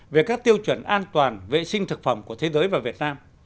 về các tiêu chuẩn an toàn vệ sinh thực phẩm của thế giới và việt nam